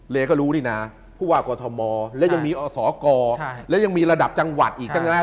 ก็รู้นี่นะผู้ว่ากอทมและยังมีอศกและยังมีระดับจังหวัดอีกทั้งนั้น